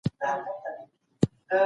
خلګ باید کورني توکي وپېري.